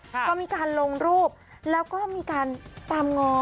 ก็มีการลงรูปแล้วก็มีการตามงอ